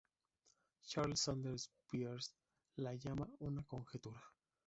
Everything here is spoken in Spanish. Charles Sanders Peirce la llama una conjetura.